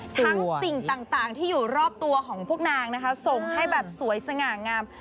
สิ่งต่างที่อยู่รอบตัวของพวกนางนะคะส่งให้แบบสวยสง่างาม